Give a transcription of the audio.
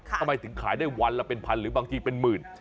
ทำไมถึงขายได้วันละเป็นพันหรือบางทีเป็นหมื่น